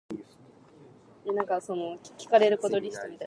The entire route was located in Redwood County.